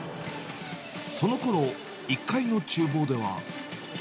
そのころ、１階のちゅう房では。